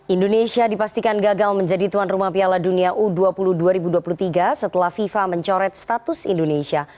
indonesia dipastikan gagal menjadi tuan rumah piala dunia u dua puluh dua ribu dua puluh tiga setelah fifa mencoret status indonesia